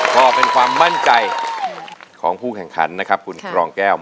ก็เป็นความมั่นใจของผู้แข่งขันนะครับคุณครองแก้ว